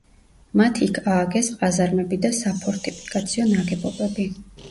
მათ იქ ააგეს ყაზარმები და საფორტიფიკაციო ნაგებობები.